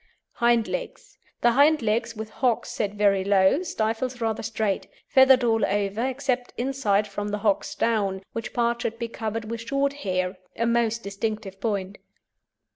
HIND LEGS The hind legs with hocks set very low, stifles rather straight, feathered all over, except inside from the hocks down, which part should be covered with short hair (a most distinctive point).